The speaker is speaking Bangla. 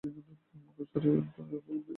মুখোশধারী ওই নতুন আগন্তুকটি কে?